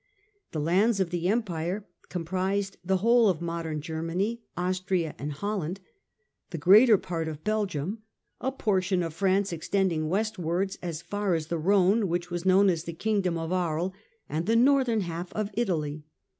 The lands of the Empire comprised the whole of modern Germany, Austria and Holland, the greater part of Bel gium, a portion of France extending westwards as far as the Rhone, which was known as the Kingdom of Aries, and the northern half of Italy.